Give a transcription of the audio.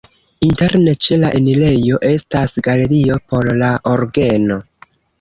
Interne ĉe la enirejo estas galerio por la orgeno.